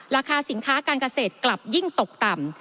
ราคาสินค้าการเกษตรกลับยิ่งตกต่ำ